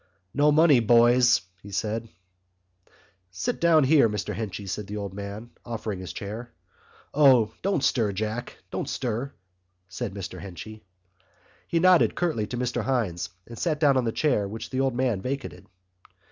"No money, boys," he said. "Sit down here, Mr Henchy," said the old man, offering him his chair. "O, don't stir, Jack, don't stir," said Mr Henchy. He nodded curtly to Mr Hynes and sat down on the chair which the old man vacated.